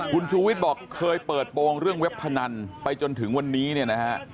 คุณชูวิทย์บอกเคยเปิดโปรงเรื่องเว็บพนันไปจนถึงวันนี้เนี่ยนะฮะ